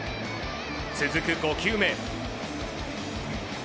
続く５球目。